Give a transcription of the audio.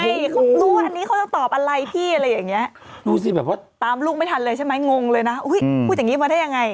อย่างนี้ตามลูกไม่ทันเลยใช่ไหมงงเลยนะคุยอย่างนี้มาได้ยังไง